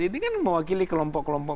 ini kan mewakili kelompok kelompok